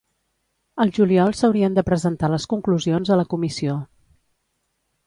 Al juliol s'haurien de presentar les conclusions a la comissió.